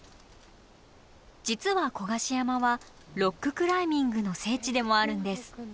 実は古賀志山はロッククライミングの聖地でもあるんです。